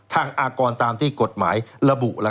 อากรตามที่กฎหมายระบุ